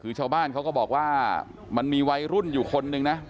คือชาวบ้านเขาก็บอกว่ามันมีวัยรุ่นอยู่คนนึงนะ